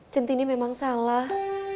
centini memang salah